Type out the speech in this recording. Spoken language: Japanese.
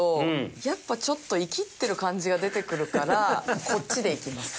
やっぱちょっとイキってる感じが出てくるからこっちでいきます。